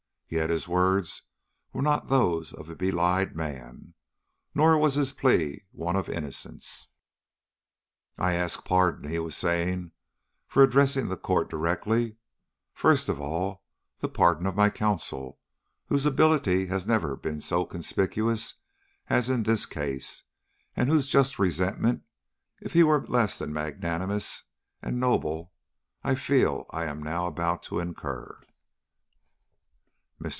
Yet his words were not those of a belied man, nor was his plea one of innocence. "I ask pardon," he was saying, "for addressing the court directly; first of all, the pardon of my counsel, whose ability has never been so conspicuous as in this case, and whose just resentment, if he were less magnanimous and noble, I feel I am now about to incur." Mr.